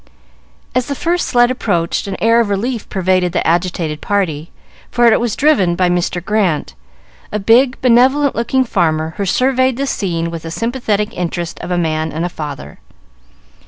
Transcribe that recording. As the first sled approached, an air of relief pervaded the agitated party, for it was driven by Mr. Grant, a big, benevolent looking farmer, who surveyed the scene with the sympathetic interest of a man and a father.